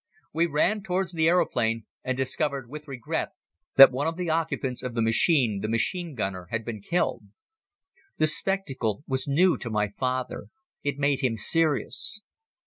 We ran towards the aeroplane and discovered with regret that one of the occupants of the machine, the machine gunner, had been killed. The spectacle was new to my father. It made him serious.